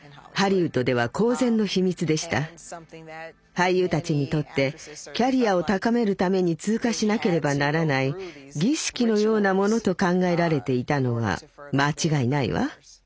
俳優たちにとってキャリアを高めるために通過しなければならない儀式のようなものと考えられていたのは間違いないわ。